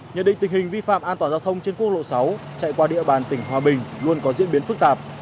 nhận định tình hình vi phạm an toàn giao thông trên quốc lộ sáu chạy qua địa bàn tỉnh hòa bình luôn có diễn biến phức tạp